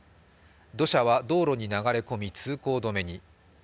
土砂は道路に流れ込み通行止めに。